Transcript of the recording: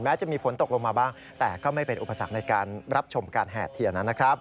จะมีฝนตกลงมาบ้างแต่ก็ไม่เป็นอุปสรรคในการรับชมการแห่เทียนนะครับ